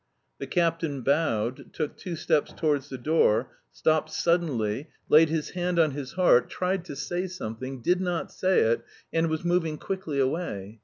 The captain bowed, took two steps towards the door, stopped suddenly, laid his hand on his heart, tried to say something, did not say it, and was moving quickly away.